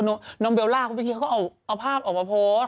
น้องเบลล่าเขาพิธีเขาก็เอาภาพออกมาโพสต์